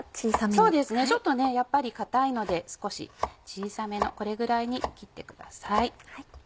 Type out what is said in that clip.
そうですねちょっとやっぱり硬いので少し小さめのこれぐらいに切ってください。